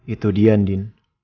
itu dia ndin